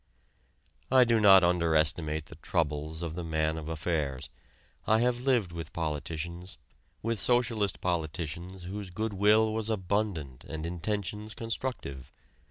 I do not underestimate the troubles of the man of affairs. I have lived with politicians, with socialist politicians whose good will was abundant and intentions constructive.